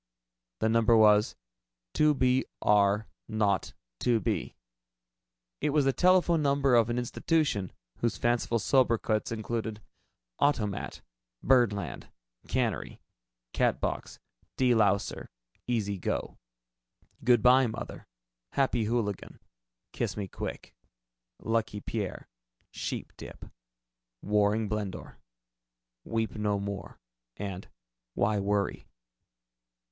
The number was: "2 B R 0 2 B." It was the telephone number of an institution whose fanciful sobriquets included: "Automat," "Birdland," "Cannery," "Catbox," "De louser," "Easy go," "Good by, Mother," "Happy Hooligan," "Kiss me quick," "Lucky Pierre," "Sheepdip," "Waring Blendor," "Weep no more" and "Why Worry?"